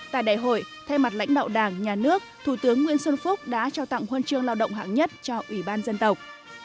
tại đại hội thay mặt lãnh đạo đảng nhà nước thủ tướng nguyễn xuân phúc đã trao tặng huân chương lao động hạng nhất cho ủy ban dân tộc